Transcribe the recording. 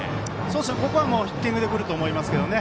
ここはヒッティングでくると思いますけどね。